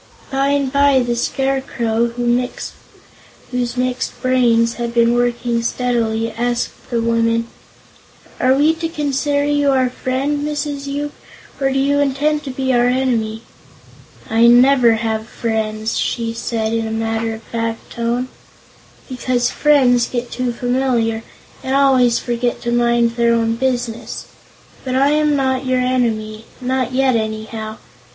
By and by the Scarecrow, whose mixed brains had been working steadily, asked the woman: "Are we to consider you our friend, Mrs. Yoop, or do you intend to be our enemy?" "I never have friends," she said in a matter of fact tone, "because friends get too familiar and always forget to mind their own business. But I am not your enemy; not yet, anyhow.